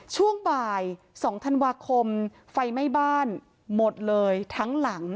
ช่วงบ่าย๒ธันวาคมไฟไหม้บ้านหมดเลยทั้งหลัง